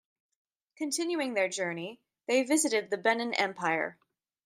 Continuing their journey, they visited the Benin Empire.